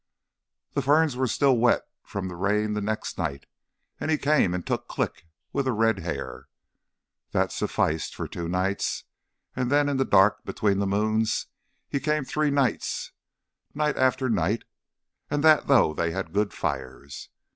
The ferns were still wet from the rain the next night, and he came and took Click with the red hair. That sufficed for two nights. And then in the dark between the moons he came three nights, night after night, and that though they had good fires.